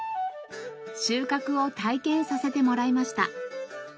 収穫を体験させてもらいました。